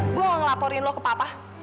saya tidak akan melapor kamu ke papa